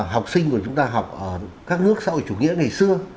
học sinh của chúng ta học ở các nước sau chủ nghĩa ngày xưa